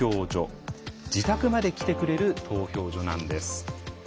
自宅まで来てくれる投票所なんです。